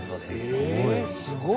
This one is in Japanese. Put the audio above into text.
すごいね。